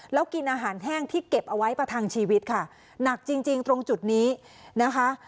แล้วกินอาหารแห้งที่เก็บเอาไว้ประทังชีวิตค่ะหนักจริงจริงตรงจุดนี้นะคะ